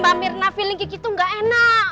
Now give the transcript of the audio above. mbak mirna feeling ki ki tuh gak enak